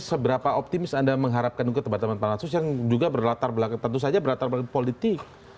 seberapa optimis anda mengharapkan juga teman teman pansus yang juga berlatar belakang tentu saja berlatar belakang politik